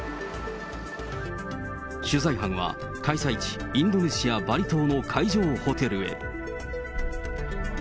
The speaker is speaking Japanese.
取材班は開催地、インドネシア・バリ島の会場ホテルへ。